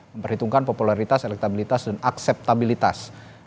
memperhitungkan popularitas elektabilitas dan akseptabilitas